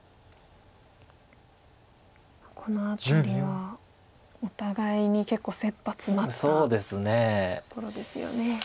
この辺りはお互いに結構せっぱ詰まったところですよね。